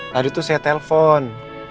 tadi tuh saya telpon